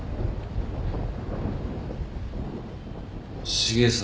茂さん。